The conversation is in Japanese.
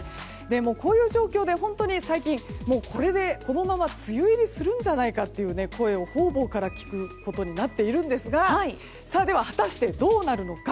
こういう状況で最近、これでこのまま梅雨入りをするんじゃないかという声をほうぼうから聞くことになっているんですがでは、果たしてどうなるのか。